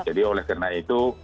jadi oleh karena itu